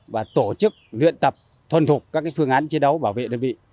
và tổ chức luyện tập thuần thục các phương án chiến đấu bảo vệ đơn vị